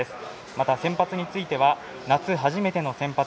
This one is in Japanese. また、先発については夏、初めての先発。